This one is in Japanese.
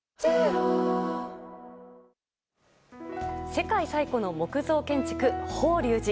世界最古の木造建築、法隆寺。